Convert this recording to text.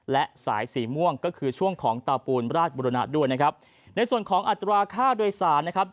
และสายสีม่วงก็คือช่วงของเตาปูนราชบุรณะด้วยนะครับในส่วนของอัตราค่าโดยสารนะครับ